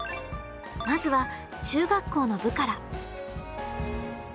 まずは中学校の部から。